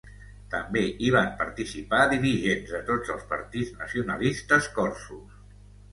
També hi van participar dirigents de tots els partits nacionalistes corsos.